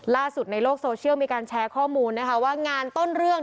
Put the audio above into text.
ล่าสุดในโลกโซเชียลมีการแชร์ข้อมูลนะคะว่างานต้นเรื่อง